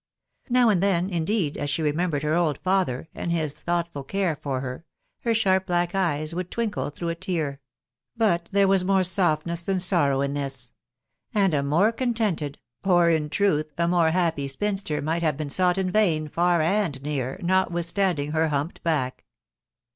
Now and then, in deed, as she remembered her old father, and his thoughtful care for her, her sharp black eyes would twinkle through a tear ; but there was more softness than sorrow in this ; and a more contented, or, in truth, a more happy spinster might have been sought in vain, far and near, notwithstanding her humped back.